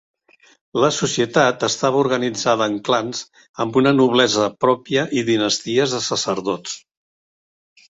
La societat estava organitzada en clans amb una noblesa pròpia i dinasties de sacerdots.